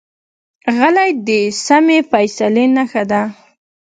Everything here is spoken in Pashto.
غلی، د سمې فیصلې نښه ده.